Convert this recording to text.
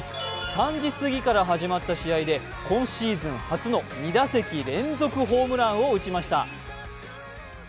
３時すぎから始まった試合で今シーズン初の２打席連続ホームランを打ちました